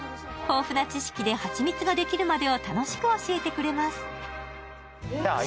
豊富な知識で、はちみつができるまでを楽しく教えてくれます。